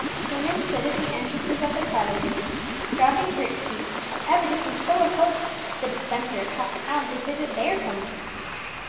Women stood at the entrances of their cottages, dropping courtesies, and evidently full of hope that the dispenser of half crowns would visit their homes.